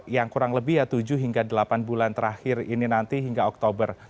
yang kurang lebih ya tujuh hingga delapan bulan terakhir ini nanti hingga oktober